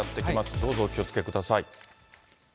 どうぞお気をつけください。